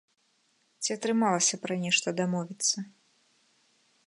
Ці атрымалася пра нешта дамовіцца?